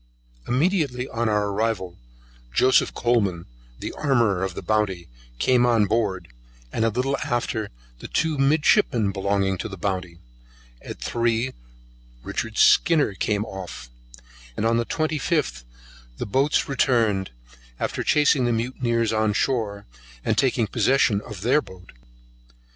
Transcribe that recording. Immediately on our arrival, Joseph Coleman, the armourer of the Bounty, came on board, and a little after the two midshipmen belonging to the Bounty; at three Richard Skinner came off, and on the 25th the boats returned, after chasing the mutineers on shore, and taking possession of their boat.